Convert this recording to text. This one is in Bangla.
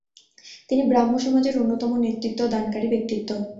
তিনি ব্রাহ্ম সমাজের অন্যতম নেতৃত্বদানকারী ব্যক্তিত্ব।